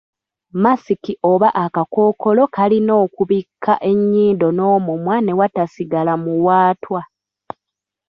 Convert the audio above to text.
Masiki oba akakookolo kalina okubikka ennyindo n’omumwa ne watasigala muwaatwa.